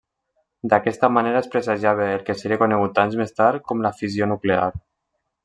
D'aquesta manera es presagiava el que seria conegut anys més tard com la fissió nuclear.